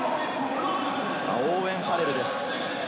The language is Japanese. オーウェン・ファレルです。